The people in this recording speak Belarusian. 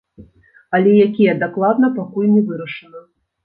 Але якія дакладна пакуль не вырашана.